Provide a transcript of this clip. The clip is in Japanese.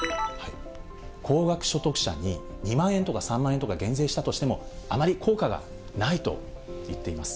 高額所得者に２万円とか３万円とか減税したとしても、あまり効果がないと言っています。